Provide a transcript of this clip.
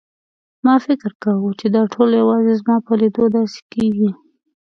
ما فکر کاوه چې دا ټول یوازې زما په لیدو داسې کېږي.